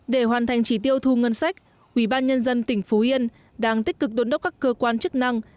để hoàn thành chỉ tiêu thu ngân sách quỹ ban nhân dân tỉnh phú yên đang tích cực đốn đốc các cơ quan chức năng